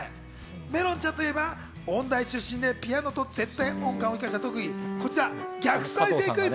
めろんちゃんといえば音大出身でピアノと絶対音感を生かした特技、逆再生クイズ。